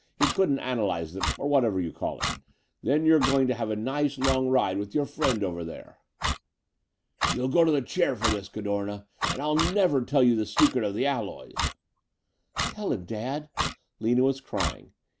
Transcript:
He couldn't analyze 'em, or whatever you call it. Then you're goin' to have a nice long ride with your friend over there." "You'll go to the chair for this, Cadorna. And I'll never tell you the secret of the alloys." "Tell him, Dad," Lina was crying.